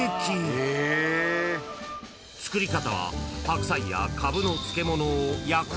［作り方は白菜やカブの漬物を］